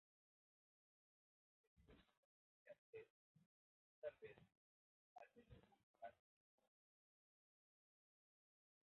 Debido a su complejidad es, tal vez, la menos popular de toda su bibliografía.